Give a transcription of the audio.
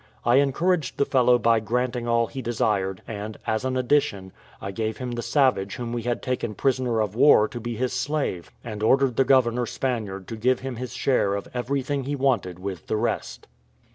I encouraged the fellow by granting all he desired; and, as an addition, I gave him the savage whom we had taken prisoner of war to be his slave, and ordered the governor Spaniard to give him his share of everything he wanted with the rest.